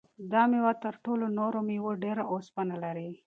دا مېوه تر ټولو نورو مېوو ډېر اوسپنه لري.